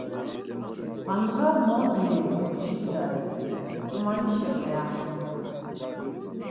Handğa mot meulur işkidare, ç̌umanişe meaxti ya.